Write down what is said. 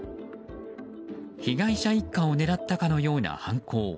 被害者一家を狙ったかのような犯行。